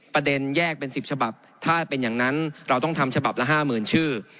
ประเด็นแยกเป็น๑๐ฉบับถ้าเป็นอย่างนั้นเราต้องทำฉบับละ๕๐๐๐ชื่อ